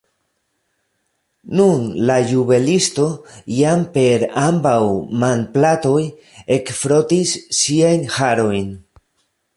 Nun la juvelisto jam per ambaŭ manplatoj ekfrotis siajn harojn.